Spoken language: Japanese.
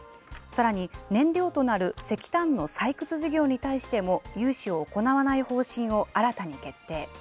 さらに、燃料となる石炭の採掘事業に対しても、融資を行わない方針を新たに決定。